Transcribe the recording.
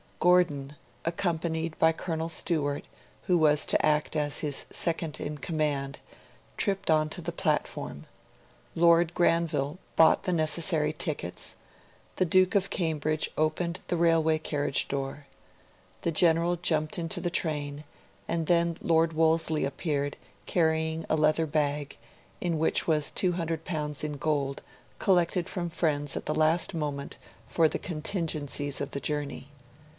Gordon, accompanied by Colonel Stewart, who was to act as his second in command, tripped on to the platform. Lord Granville bought the necessary tickets; the Duke of Cambridge opened the railway carriage door. The General jumped into the train; and then Lord Wolseley appeared, carrying a leather bag, in which was L200 in gold, collected from friends at the last moment for the contingencies of the journey.